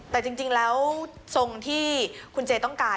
แต่จริงแล้วทรงที่คุณเจต้องการ